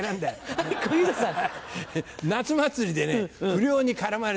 はい小遊三さん。